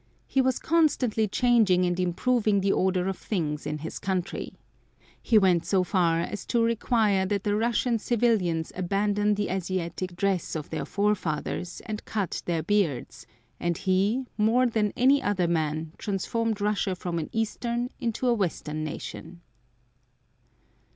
He was constantly changing and improving the order of things in his country. He went so far as to require that the Russian civilians abandon the Asiatic dress of their forefathers and cut their beards, and he, more than any other man, transformed Russia from an eastern into a western nation.